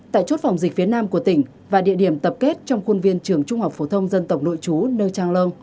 tại chốt phòng dịch phía nam của tỉnh và địa điểm tập kết trong khuôn viên trường trung học phổ thông dân tộc nội chú nơi trang lâu